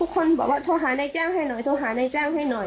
คนบอกว่าโทรหานายจ้างให้หน่อยโทรหานายจ้างให้หน่อย